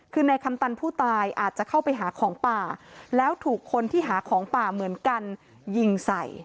คือในคำตันผู้ตายอาจจะเข้าไปหาของป่าแล้วถูกคนที่หาของป่าเหมือนกันยิงใส่